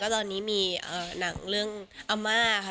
ตอนนี้มีหนังเรื่องอาม่าค่ะ